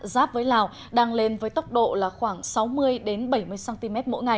giáp với lào đang lên với tốc độ khoảng sáu mươi bảy mươi cm